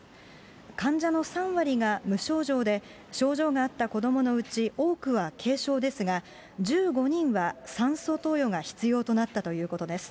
患者の３割が無症状で、症状があった子どものうち多くは軽症ですが、１５人は酸素投与が必要となったということです。